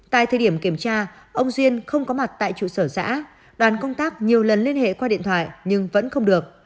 tại thời điểm kiểm tra ông diên không có mặt tại trụ sở xã đoàn công tác nhiều lần liên hệ qua điện thoại nhưng vẫn không được